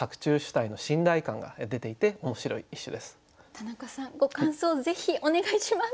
田中さんご感想をぜひお願いします。